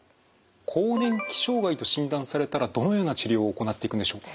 更年期障害と診断されたらどのような治療を行っていくんでしょう？